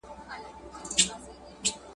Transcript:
آيا ستاسي ماشومان ښوونځي ته ځي؟